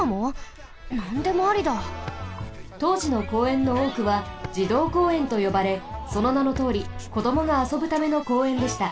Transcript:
とうじの公園のおおくは児童公園とよばれそのなのとおりこどもがあそぶための公園でした。